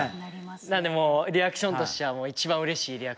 なんでもうリアクションとしてはもう一番うれしいリアクション。